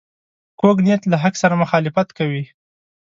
کوږ نیت له حق سره مخالفت کوي